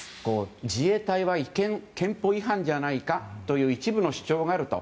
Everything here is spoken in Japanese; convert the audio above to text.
自衛隊は違憲憲法違反じゃないかという一部の主張があると。